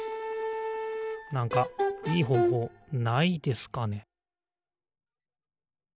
なんかいいほうほうないですかね？